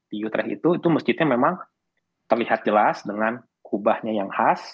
di utre itu itu masjidnya memang terlihat jelas dengan kubahnya yang khas